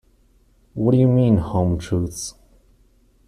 What do you mean, 'home truths'?